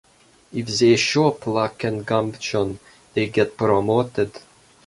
If they show pluck and gumption they get promoted.